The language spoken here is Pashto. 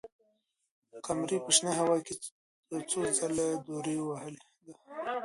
قمري په شنه هوا کې یو څو ځله دورې ووهلې.